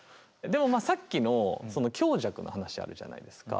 でもまあさっきの強弱の話あるじゃないですか。